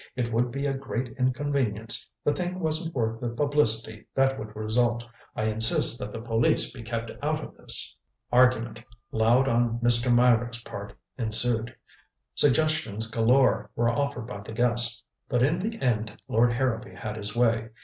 "It would be a great inconvenience the thing wasn't worth the publicity that would result. I insist that the police be kept out of this." Argument loud on Mr. Meyrick's part ensued. Suggestions galore were offered by the guests. But in the end Lord Harrowby had his way.